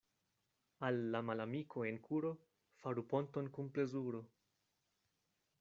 Al la malamiko en kuro faru ponton kun plezuro.